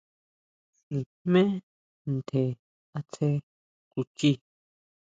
Nijmé ntjen asje kuchii.